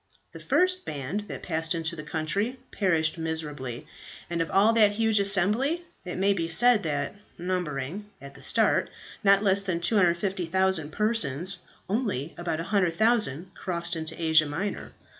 The first band that passed into that country perished miserably, and of all that huge assembly, it may be said that, numbering, at the start, not less than 250,000 persons, only about 100,000 crossed into Asia Minor.